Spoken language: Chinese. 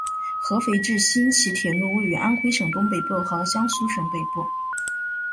合肥至新沂铁路位于安徽省东北部和江苏省北部。